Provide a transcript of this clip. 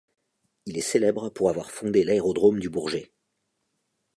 Il est célèbre pour avoir fondé l’aérodrome du Bourget.